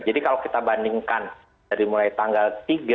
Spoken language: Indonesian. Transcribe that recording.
jadi kalau kita bandingkan dari mulai tanggal tiga